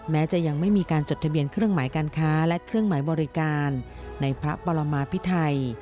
แม้จะยังไม่มีการจดทะเบียนเครื่องหมายการค้าและเครื่องหมายบริการในพระปรมาพิไทย